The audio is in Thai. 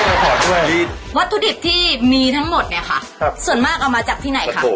ขอด้วยวัตถุดิบที่มีทั้งหมดเนี่ยค่ะครับส่วนมากเอามาจากที่ไหนคะ